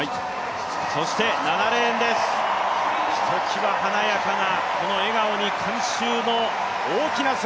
そして７レーンです、華やかなこの笑顔に、観衆の大きな歓声。